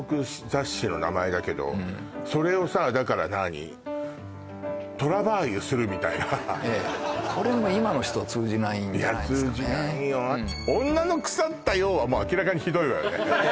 雑誌の名前だけどそれをさだからなあに「トラバーユする」みたいなこれも今の人通じないんじゃいや通じないよはもう明らかにひどいわよね